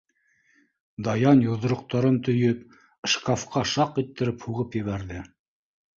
Даян йоҙроҡтарын төйөп, шкафҡа шаҡ иттереп һуғып ебәрҙе.